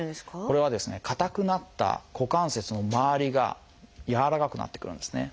これはですね硬くなった股関節の周りが柔らかくなってくるんですね。